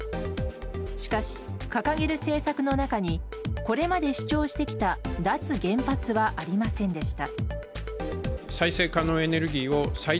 しかし、掲げる政策の中にこれまで主張してきた脱原発はありませんでした。